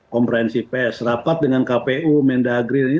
komprehensi pes rapat dengan kpu menda green